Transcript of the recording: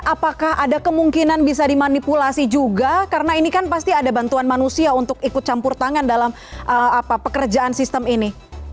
apakah ada kemungkinan bisa dimanipulasi juga karena ini kan pasti ada bantuan manusia untuk ikut campur tangan dalam pekerjaan sistem ini